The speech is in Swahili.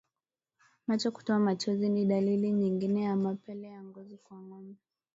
Macho kutoa machozi ni dalili nyingine ya mapele ya ngozi kwa ngombe